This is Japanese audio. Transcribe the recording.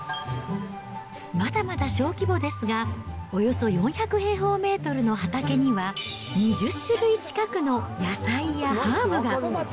まだまだ小規模ですが、およそ４００平方メートルの畑には２０種類近くの野菜やハーブが。